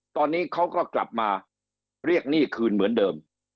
ตอนนี้เขาก็กลับมาเรียกหนี้คืนเหมือนเดิม